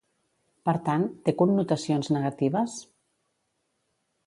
Per tant, té connotacions negatives?